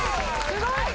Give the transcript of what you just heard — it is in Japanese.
すごい。